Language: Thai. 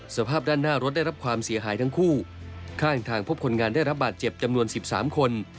สภาพด้านหน้ารถได้รับความเสียหายทั้งคู่ข้างทางพบคนงานได้รับบาดเจ็บจำนวน๑๓คน